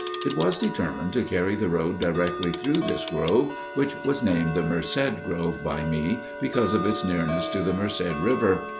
It was determined to carry the road directly through this grove, which was named the Merced Grove by me because of its nearness to the Merced River.